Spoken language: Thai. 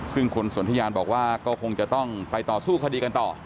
ซึ่งคุณสนทิยานบอกว่าก็คงจะต้องไปต่อสู้คดีกันต่อ